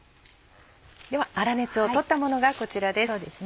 では粗熱を取ったものがこちらです。